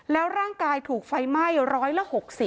แล้วร่างกายถูกไฟไหม้ร้อยละ๖๐